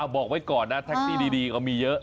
บอกไว้ก่อนนะแท็กซี่ดีก็มีเยอะ